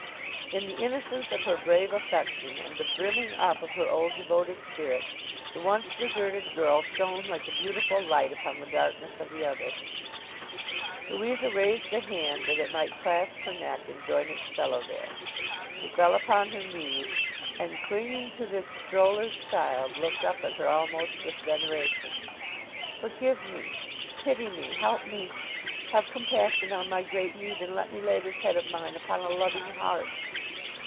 In the innocence of her brave affection, and the brimming up of her old devoted spirit, the once deserted girl shone like a beautiful light upon the darkness of the other. Louisa raised the hand that it might clasp her neck and join its fellow there. She fell upon her knees, and clinging to this stroller's child looked up at her almost with veneration. 'Forgive me, pity me, help me! Have compassion on my great need, and let me lay this head of mine upon a loving heart!